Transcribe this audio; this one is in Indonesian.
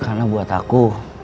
karena buat aku